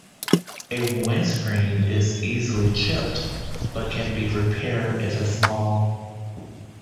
A windscreen is easily chipped, but can be repaired if it's small.